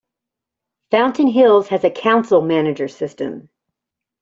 Fountain Hills has a council-manager system.